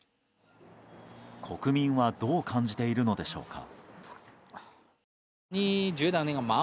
国民はどう感じているのでしょうか。